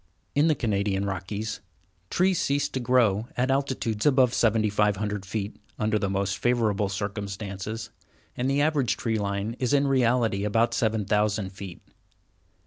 ] In the Canadian Rockies, trees cease to grow at altitudes above 7500 feet, under the most favorable circumstances, and the average tree line is in reality about 7000 feet.